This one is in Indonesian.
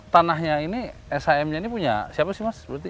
tanahnya ini shm nya ini punya siapa sih mas